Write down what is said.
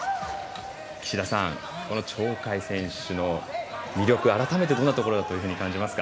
岸田さん、鳥海選手の魅力改めてどんなところだと感じますか？